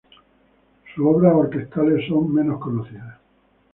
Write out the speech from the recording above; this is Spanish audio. Sus obras orquestales son menos conocidas.